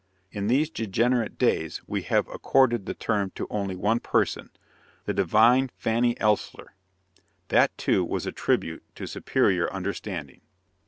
In these degenerate days, we have accorded the term to only one person, "the divine Fanny Ellsler!" That, too, was a tribute to superior understanding!